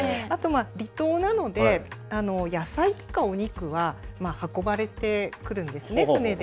離島なので、野菜とかお肉は運ばれてくるんですね、船で。